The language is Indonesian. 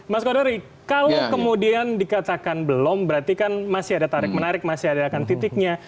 mas kodari kalau kemudian dikatakan belum berarti kan masih ada tarik menarik masih ada titiknya